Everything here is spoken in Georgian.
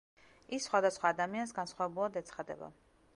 ის სხვადასხვა ადამიანს განსხვავებულად ეცხადება.